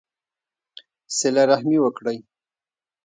صلہ رحمي وکړئ